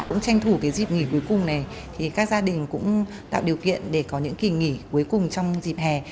cũng tranh thủ cái dịp nghỉ cuối cùng này thì các gia đình cũng tạo điều kiện để có những kỳ nghỉ cuối cùng trong dịp hè